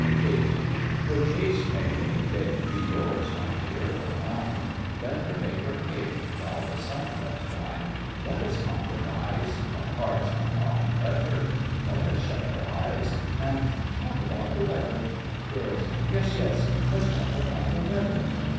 KATE Her case may, any day, Be yours, my dear, or mine. Let her make her hay While the sun doth shine. Let us compromise (Our hearts are not of leather): Let us shut our eyes And talk about the weather. GIRLS: Yes, yes, let's talk about the weather.